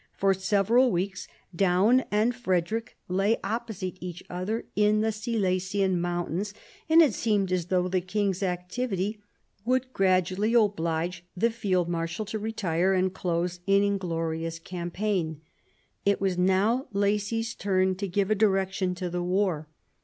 For several weeks Daun and Frederick lay opposite each other in the Silesian mountains, and it seemed as though the king's activity would gradually oblige the field marshal to retire and close an inglorious campaign. It was now Lacy 's turn to give a direction to the war.